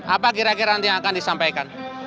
apa kira kira nanti yang akan disampaikan